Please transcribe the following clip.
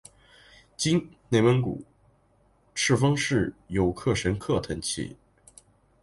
今内蒙古赤峰市有克什克腾旗。